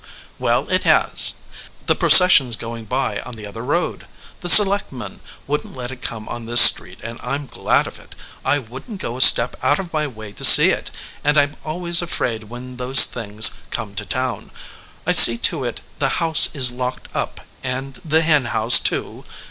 "Well, it has. The procession s going by on the other road. The selectmen wouldn t let it come on this street, and I m glad of it. I wouldn t go a step out of my way to see it, and I m always afraid when those things come to town. I see to it the house is locked up, and the hen house, too.